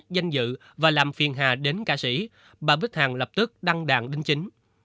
danh dự và làm phiền hà đến ca sĩ bà bích hằng lập tức đăng đàn đính chính